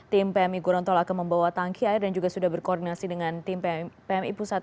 tim pmi gorontal akan membawa tangki air dan juga sudah berkoordinasi dengan tim pmi pusat